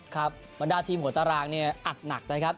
ครับบรรดาทีมโหตารางอัดหนักเลยครับ